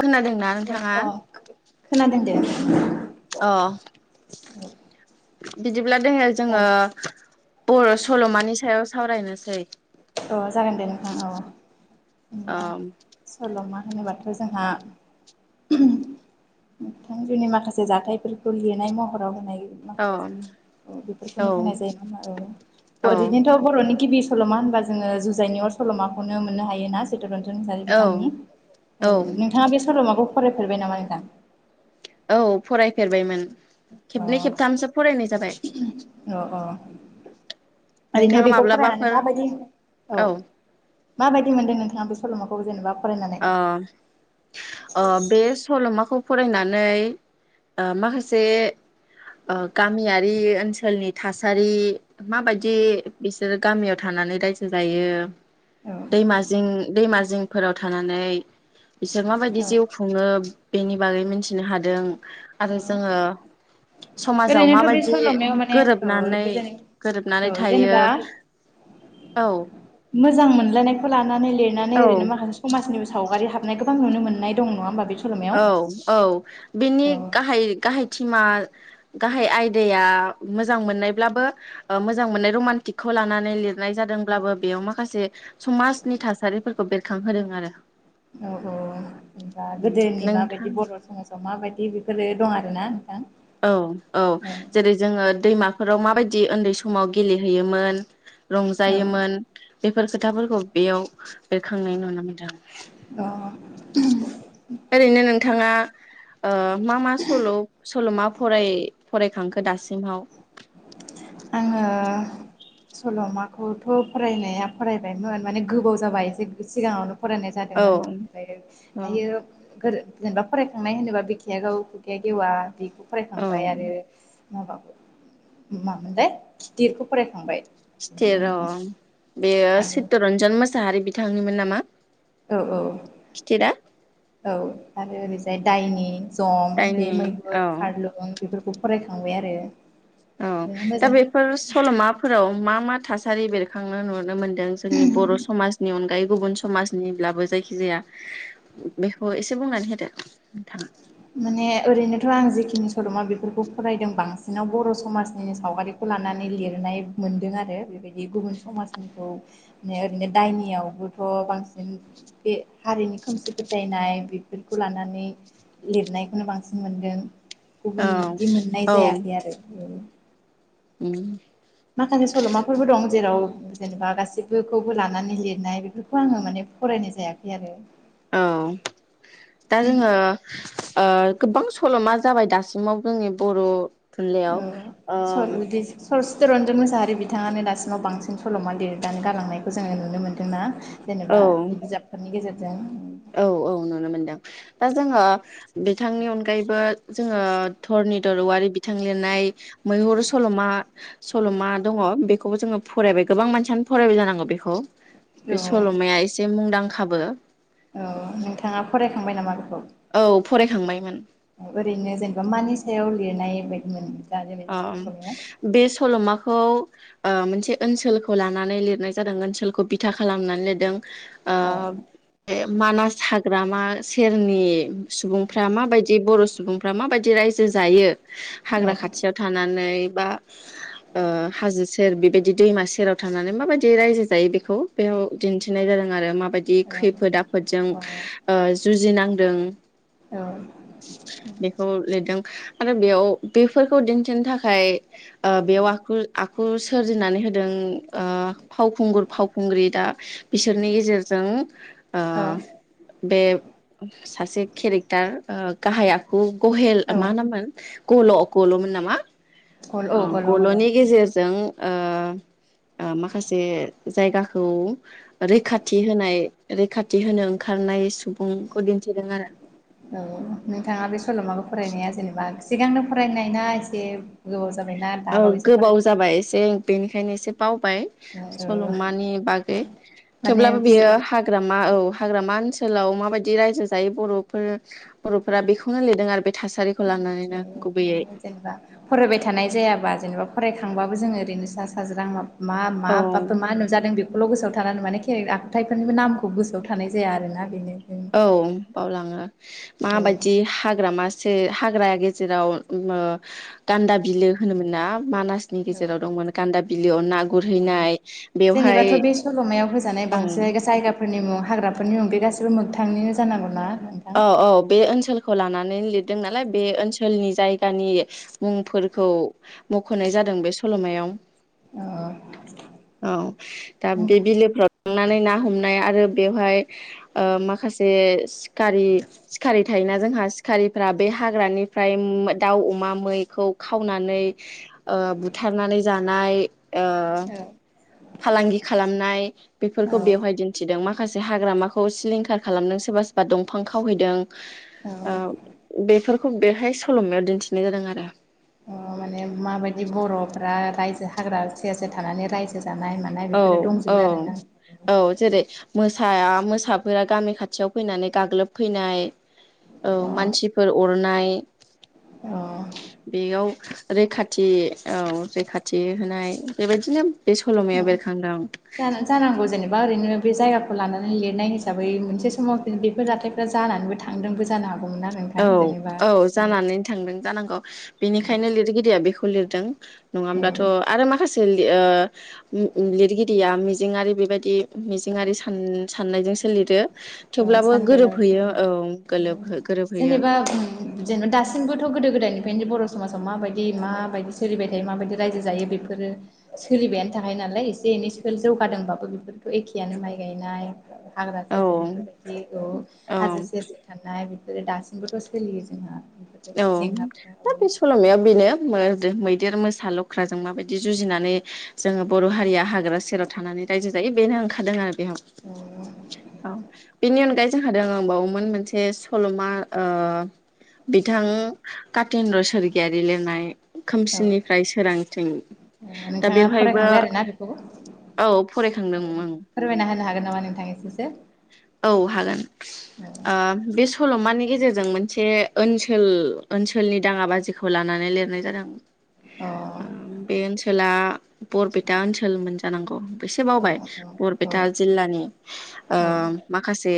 खोनादोंना नोंथाङा? अ खोनादों दे। बिदि। ब्ला दोङो जोङो दायो बर' सल'मानि सायाव सावरायनोसै। अ जागोन दे नोंथां औ। औ जेनेबा सल'मा होनोबाथ' जोंहा नोंथां जोंनि माखासे जाथायफोरखौ लिरनाय महराव होनाय औ औ औ बेफोरखौनो बुंनाय जायो ना औ ओरैनोथ' बर'नि गिबि सल'मा होनबा जोङो जुजायनायावर सल'माखौनो मोननो हायो ना सित्तरन्ज। औ बिथांनि औ ओ नोंथाङा बे सल'माखौ। फरायफेरबाय नामा नोंथां? औ फरायफेरबायमोन। अ खेबनै खेबथामसो फरायनाय जाबाय। औ औ ओरैनो नोंथाङा बेखौ फरायनानै माब्लाबाफोर माबायदि औ। माबायदि मोनदों नोंथाङा बे सल'माखौ जेनेबा फरायनानै ओ ओ बे सल'माखौ फरायनानै ओ माखासे गामियारि ओनसोलनि थासारि माबायदि बिसोरो गामियाव थानानै रायजो जायो औ दैमाजिं दैमाजिं फोराव थानानै। बिसोर माबायदि औ जिउ खुङो। बेनि बागै मिथिनो हादों। आरो औ जोङो। समाजाव ओरैनोथ' बे माबायदि सल'मायाव माने औ गोरोबनानै गोजोनै औ गोरोबनानै थायो जेनेबा औ। मोजां मोनलायनायखौ लानानै। देरनानै औ ओरैनो माखासे समाजनिबो सावगारि हाबा। नायखौ गोबां नुनो मोननाय दं नङा होनोमबा औ औ बिनि गाहाय गाहाय टिमा गाहाय आयदाया मोजां मोननायब्लाबो मोजां मोननाय रमान्टिकखौ लानानै लिरनाय जादोंब्लाबो बेयाव माखासे समाजनि थासारिफोरखौ बेरखांहोदों आरो। औ औ होनबा गोदो। जोंनि माबायदि नोंथां बर' समाजाव माबायदि बेफोरो दं आरोना। नोंथां औ औ जेरै जोङो दैमा फोराव माबायदि उन्दै समाव गेलेहैयोमोन। औ रंजायोमोन बेफोर खोथाफोरखौ बेयाव बेरखांनाय नुनो मोनदों। [inaudible] औ अ ओरैनो नोंथाङा ओ। मा मा सल' सल'मा फराय फरायखांखो दासिमाव। आङो सल'माखौथ' फरायनाया फरायबायमोन माने गोबाव जाबाय एसे सिगाङावनो फरायनाय औ जादोंमोन ओमफ्राय औ दायो। जेनेबा फरायखांनाय होनोबा बिखाया गावो खुखाया गेवा बेखौ। औ फरायखांबाय आरो। माबाबो उम। लाय गिदिरखौ फरायखांबाय। बेनि खिथेर अ उनाव बेयो आरो चित्तरन्जन मोसाहारि बिदि। थाङोमोन नामा? औ औ खिथेरा औ आरो ओरैजाय दायनि जं जायनि बे मैगुर औ खारलुं बेफोरखौ फरायखां खांबाय आरो। औ दा मोजां बेफोर सल'माफोराव मा मा। थासारि बेरखांनो नुनो मोनदों। जोंनि बर' समाजनि अनगायै गुबुन समाजनिब्लाबो जाय जिया। बेखौ एसे बुंनानै होदो नोंथा माने ओरैनोथ' आं जिखिनि सल'मा बेफोरखौ फरायदों बांसिनाव बर' समाजनि सावगारिखौ लानानै लिरनाय मोनदों आरो बेबायदि गुबुन समाजनिखौ माने ओरैनो दायनियावबोथ' बांसिन बे हारिनि खोमसि फोथायनाय बेफोरखौ लानानै लिरनायखौनो बांसिन मोनगोन। गुबुननि बिदि मोननाय औ औ जायाखै आरो उम माखासे सल'माफोरबो दं जेराव जेनेबा गासिबोखौबो लानानै लिरनाय बेफोरखौ आङो माने फरायनाय जायाखै आरो औ दा जोङो ओ गोबां सल'मा जाबाय दासिमाव जोंनि बर' थुनलाइयाव ओम चितरन्जन मुसाहारि बिथाङानो दासिमाव बांसिन सल'मा लिरनानै गालांनायखौ जोङो नुनो मोन्दोंना जेनेबा औ बे बिजाबफोरनि गेजेर जों औ औ नुनो मोनदों दा जोङो बिथांनि अनगायैबो जोङो धरनिधर'वारि बिथां लिरनाय मैहुर सल'मा सल'मा दङ बेखौबो जोङो फरायबाय गोबां मानसियानो फरायबाय जानांगौ बेखौ बे औ सल'माया एसे मुंदां खाबो औ नोंथाङा फरायखांबाय नामा बेखौ औ फराय खांबायमोन। ओरैनो जेनेबा मानि सायाव लिरनाय बायदि मोन औ बे सल'माखौ ओ मोनसे ओनसोलखौ लानानै लिरनाय जादों ओनसोलखौ बिथा खालामनानै लिरदों ओ औ मानास हाग्रामा सेरनि सुबुंफ्रा माबायदि बर' सुबुंफ्रा माबायदि रायजो जायो औ नानै बा ओ हाजो सेर बे बायदि दैमा सेराव थानानै मा बायदि रायजो जायो बेखौ बेयाव दिन्थिनाय जादों आरो मा बायदि खैफोद आफोदजों ओ जुजि नां दों बेखौ लिरदों आरो बेयाव बे फोरफोरखौ दिन्थिनो थाखाय ओ बेयाव आखु आखु सोरजिनानै होदों ओ फावखुंगुर फावखुंग्रि दा बिसोरनि गेजेरजों आ औ बे सासे केरेक्टार ओ गाहाय आखु कहेल औ मा नाममोन? ग'लख गल'मोन नामा? औ गल औ अ गल' गल' गल'नि गेजेरजों ओ ओ माखासे जायगाखौ रैखाथि होनाय रैखाथि होनो ओंखारनाय सुब औ नोंथाङा बे सल'माखौ फरायनाया जेनेबा सिगांनो फरायनाय ना एसे ज [unintelligible] औ गोबाव जाबाय एसे बेनिखायनो एसे बाव बाय फरायनाय औ सल'मानि बागै माने थेवब्लाबो बेयो हाग्रामा औ हाग्रामा ओनस सोलाव माबायदि रायजो जायो बर'फोर बर'फ्रा बेखौनो लिरदों आरो बे थासारिखौ [unintelligible] लानानैनो गुबैयै माने जेनेबा फरायबाय थानाय जायाबा जेनेबा फरायखांबाबो जोङो ओरैनो सा साज्रां माब मा मा औ बाफ [unintelligible] मा नुजादों बेब ल' गोसोआव थानानै माने के आखुथायफोरनिबो नामखौ गोसोआव थानाय जाया आरोना बेनो औ बावलाङो औ माबायदि हाग्रामा सो हाग्रा गेजेराव मो गान्दा बिलो होनोमोन ना मानासनि गेजेराव दंमोन गान्दा बिलोयाव ना औ गुरहैनाय बेवहाय जेनेबाथ' बे सल'मायाव होजानाय औ बांसिन जायगाफोरनि मुं हाग्राफोरनि अनगायै गासिबो मोगथांनिनो जानांगौ ना औ औ बे ओनसोल खौ लानानै लिरदों नालाय बे ओनसोलनि जायगानि मुंफोरखौ मख'नाय जादों बे सल'मायाव अ औ दा बे बिलोफ्राव लांनानै ना हमनाय आरो बेवहाय ओ माखासे सिख खारि सिखारि थायोना जोंहा सिखारिफ्रा बे हाग्रानिफ्राय उम दाउ अमा मैखौ खावनानै ओ बुथारनानै जानाय ओ फालांगि खालामनाय बेफोरखौ औ बेवहाय दिन्थिदो माखासे हाग्रामाखौ सिलिंखार खालामदों सोबा सो बा दंफां खावहैदों औ औ ओ बेफोर बेहाय सल'मायाव दिन्थिनाय जादों आरो अ माने माबायदि बर'फ्रा रायजो हाग्रा सेर सेेर थानानै रायजो जानाय मानाय औ बेफोरो औ दंजोबो आरोना औ जेरै मोसाआ मोसाफोरा गामि खाथियाव फैनानै गाग्लोबफैनाय औ अ मानसिफोर अरनाय [inaudible] अ बेयाव रैखाथि औ रैखाथि होनाय बेबायदिनो बे अ सल'माया बेरखांदों जा जानांगौ जेनेबा ओरैनो बे जायगाखौ लानानै लिरनाय हिसाबै मोनसे समाव बेफोर जाथायफ्रा जानानैबो थांदोंबो जानो हागौ । औ औ जानानै थांदों जानांगौ बेनिखायनो लिरगिरिया बेखौ खौ लिरदों । नङाब्लाथ' औ आरो माखासे आ लिरगिरिया मिजिङारि बेबायदि मिजिङारि साननायजोंसो लिरो। औ थेवब्लाबो सानबोलावरिनि गोरोबहयो उनाव औ गोलोबहो जेनेबा जेनेबा दासिमबोथ' गोदो गोदायनि बेनिफ्रायनो बर' समाजाव माबायदि माबायदि सोलिबाय थायो माबायदि रायजो जायो बेफोरो सोलिबायानो थाखाय नालाय एसे एनै जौगादोंबाबो बेफोरखौ एखेयानो माइ गायनाय [unintelligible] औ बेफोरबायदि औ औ हाजो सेर सेर थानाय दासिमबोथ' सोलियो जोंहा बेफोरबायदि औ जेंनाफोरा औ दा बे सल'माया बेनो [unintelligible] मैदेर मोसा लख्राजों माबायदि जुजिनानै जोङो बर' हारिया हाग्रा सेराव थानानै रायजो जायो ।बेनो ओंखारदों आरो । [inaudible] औ बेनि अनगायै जोंहा दंबावो मोनसे सल'मा ओ बिथां कातिन्द्र स्वर्गियारि लिरनाय औ खोमसिनिफ्राय सोरांथिं औ दा नोंथाङा बेवहायबो फरायखांबाय आरोना बेखौ औ औ फरायखांदोंमोन। फोरमायना [unintelligible] औ हागोन औ ओ बे सल'मानि गेजेरजों मोनसे ओनसोल ओनसोलनि दाङा बाजिखौ लानानै लिरनाय जादों । अ बे ओनसोला बरपेटा ओनसोलमोन। जानांगौ । एसे औ बावबाय औ औ बरपेटा जिल्लानि आ औ माखासे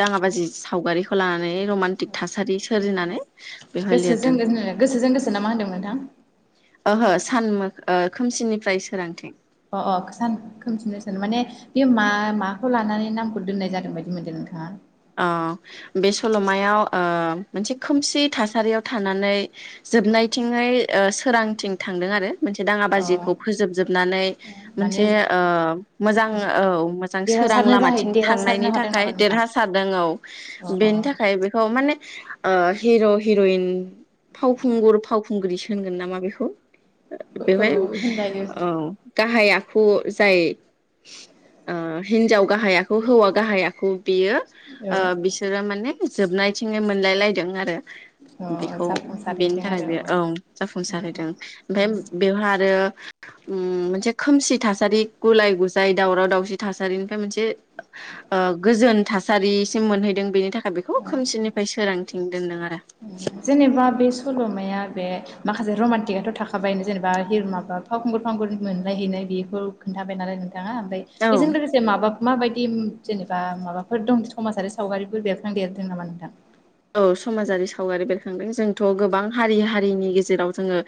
दाङा बाजि सावगारिखौ लानानै । रमान्टिक थासारि सोरजिनानै बेवहाय गोसोजों लिरदों । गोसोजों गोसो ना मा होनदों नोंथां ओहो सान खोमसिनिफ्राय सोरांथिं । अ अ सान खोमसिननो सान माने बे मा माखौ लानानै नामखौ दोननाय जादों बायदि मोनदों नोंथाङा? आ बे सल'मायाव आ मोनसे खोमसि थासारियाव थानानै जोबनायथिं सोरांथिं थांदों आरो । मोनसे दाङा अ बाजिखौ फोजोबजोबनानै मोनसे माने ओ मोजां आ औ मोजां सोरां देरहासारनो जाहै लामाथिं थांनायनि देरहासारनो हादों थाखाय नामा नोंथां देरहा औ अ अ बेनि थाखाय बेखौ माने ओ हिर' हिरइन फावखुंगुर फावखुंग्रिसो होनगोन नामा बेखौ । औ बेवहाय होनजायो औ । गाहाय आखु जाय ओ हिनजाव गाहाय आखु हौवा गाहाय आखु बियो ओ औ बिसरो माने जोबनायथिंनो मोनलाय लायदों आरो अ बेखौ बेनि जाफुंसारहैदों थाखाय आरो बे औ जाफुंसारहोदों औ ओमफ्राय बेवहाय आरो ओम मोनसे खोमसि थासारि गुलाय गुजाय दावराव दावसि थासारिनिफ्राय मोनसे ओ गोजोन थास सिम मोनहैदों बेनि थाखाय बेखौ औ खोमसिनिफ्राय सोरांथिं दोनदों आरो जेनेबा बे सल'माया बे माखासे रमान्टिकआथ' थाखाबाय जेनेबा हिर माबा फावखुंगुर फावगुरि मोनलायहैनाय बेखौ खोन्थाबाय नालाय नों थाङा ओमफ्राय औ बेजों लोगोसे माबा माबायदि जेनेबा माबाफोर दं समाजारि सावगारिफोर बेर देरदों नामा नोथां? औ समाजारि सावगारि बेरखांदों जोंथ' गोबां हारि हारिनि गेजेराव जोङो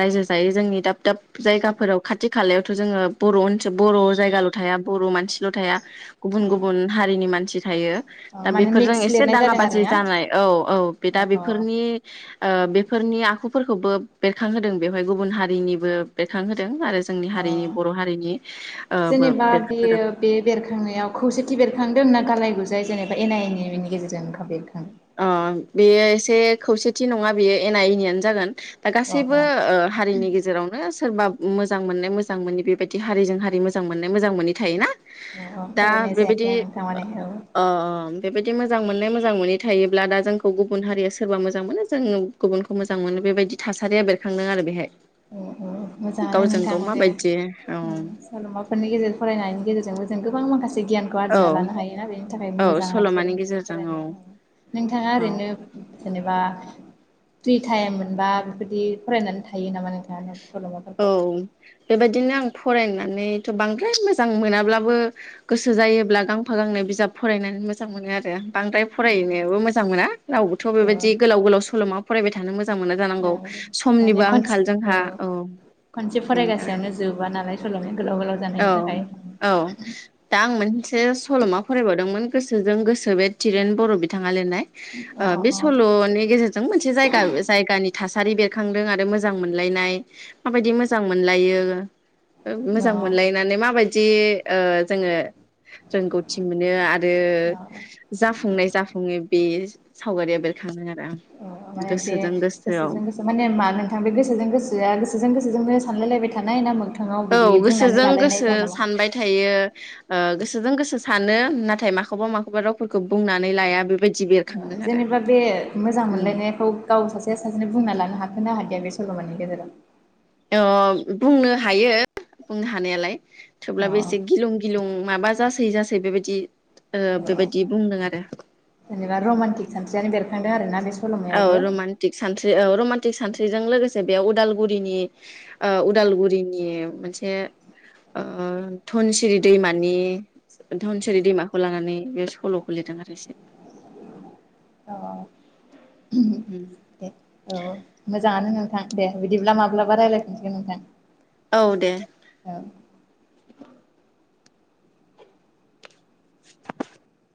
रायजो जायो जोंनि दाब दाब जायगाफोराव खाथि खालायावथ' जोङो बर' ओनसोल बर' जायगाल' थाया बर' मानसिल' थाया गुबुन गुबुन हारिनि मानसि थायो अ दा माने बेफोरजों मिक्स एसे लिरनाय दाङा जादों आरो बाजि ना जानाय औ औ बे दा अ बेफोरनि ओ बेफोरनि आखु फोरखौबो बेरखांहोदों बेवहाय गुबुन हारिनिबो बेरखांहोदों आरो जोंनि अ हारिनि बर' हारिनि ओ बो जेनेबा बेरखां होदों बेयो दोंना गालाय गुजाय जेनबा एनि एनि बेनि गेजेरजों मोखां बेरखांदों अ बेयो एसे खौसेथि नङा बेयो एना एनियानो जागोन । दा अ गासैबो अ ओ हारिनि गेजेरावनो सोरबा मोजां मोननाय मोजां मोनि बेबायदि हारिजों हारि मोजां मोननाय मोजां मोनि थायोना अ अ दा फरायनाय जायाखै बेबायदि आं नोंथां माने औ ओ बेबायदि मोजां मोननाय मोजां मोनि थायोब्ला दा जोंखौ गुबुन हारिया सोरबा मोजां मोनो जों गुबुनखौ मोजां मोनो बेबायदि थासारिया बेरखांदों आरो बेहाय। उम उम मोजाङानो गावजों नोंथां गाव माने माबायदि औ उम सल'माफोरनि गेजेरजों फरायनायनि गेजेरजोंबो जों गोबां माखासे गियानखौ औ आरजिना लानो हायोना बेनि थाखाय औ मोजां जेरै सल'मानि मेरै गेजेरजों औ फरायनाया नोंथाङा औ ओरैनो जेनेबा फ्रि टाइम मोनबा बेफोरबायदि फरायनानै थायो नामा नों थाङा। औ बेबायदिनो आं फरायनानैथ' बांद्राय मोजां मोनाब्लाबो गोसो जायोब्ला गांफा गांनै बिजाब फरायनानै मोजां मोनो आरो । बांद्राय फरायनोबो मोजां मोना रावबोथ' औ बेबायदि गोलाव गोलाव सल'मा फरायबाय थानो मोज जां मोना जानांगौ औ माने समनिबो खनसे आंखाल जोंहा औ । खनसे फरायगासेयावनो जोबा नालाय सलमाया। गोलाव गोलाव औ जानायनि थाखाय औ दा आं मोनसे सलमा फरायबावदोंमोन गोसोजों गोसो बे थिरेन बर बिथां आ लिरनाय ओ अ बे सल'नि गेजेरजों मोनसे जायगा जायगानि थासा सारि बेरखांदों आरो मोजां मोनलायनाय माबायदि मोजां मोनलायो अ मोजां मोनलायनानै माबाय दि ओ जोङो रोंगौथि मोनो आरो अ अ जाफुंनाय जाफुङो बे सावगारिया बेरखाङो आरो आं अ माने बे गोसोजों गोसोआव गोसोजों गोसो माने मा नोंथां बे गोसोजों गोसोआ गोसोजों गोसोजोंनो सानलायलायबाय थानाय ना मो औ गोसोजों गोसो सानबाय थायो ओ गोसोजों गोसो सानो नाथाय माखौबा माखौबा रावफोरखौ बुंनानै लाया बे जेनेबा बे मोजां उम मोनलायनायखौ गाव सासेया सासेनो बुंना लानो हाखोना हा या बे सलमानि गेजेराव अ बुंनो हायो बुंनो हानायालाय अ थेवब्लाबो एसे गिलुं गिलुं माबा जासै जासै बेबायदि ओ अ बेबायदि बुंदों आरो खांदों आरो ना बे सल'मायावबो औ रमान्टिक सानस्रि औ रमान्टिक सानस्रिजों लोगोसेनो बेयाव उदालगुरिनि ओ उदालगुरिनि मोनसे ओ धनसिरि दैमानि धनसिरि दैमाखौ लानानै बे सलखौ लिरदों आरो एसे अ अ बे अ अ मो जाङानो नोंथां दे बिदिब्ला माब्लाबा रायज्लायफिनसिगोन नोंथां औ दे औ [unintelligible]